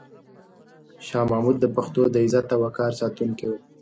شاه محمود د پښتنو د عزت او وقار ساتونکی و.